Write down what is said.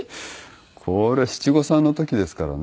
これ七五三の時ですからね。